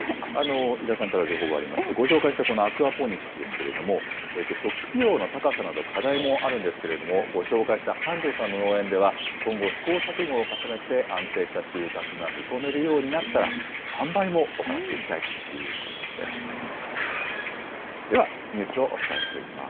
井田さんから情報がありまして、ご紹介したこのアクアポニックスですけれども、初期費用の高さなど、課題もあるんですけれども、ご紹介した繁昌さんの農園では、今後試行錯誤を重ねて、安定した収穫が見込めるようになったら、販売も行っていきたいということです。